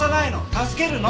助けるの。